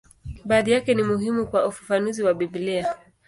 Baadhi yake ni muhimu kwa ufafanuzi wa Biblia.